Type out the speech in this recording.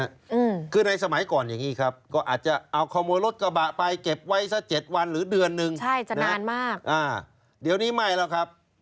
อืมคือในสมัยก่อนอย่างงี้ครับก็อาจจะเอาขโมยรถกระบะไปเก็บไว้ซะเจ็ดวันหรือเดือนหนึ่งใช่จะนานมากอ่าเดี๋ยวนี้ไม่แล้วครับ